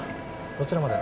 どちらまで？